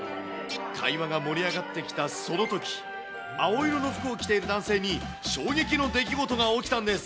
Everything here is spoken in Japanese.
会話が盛り上がってきたそのとき、青色の服を着ている男性に衝撃の出来事が起きたんです。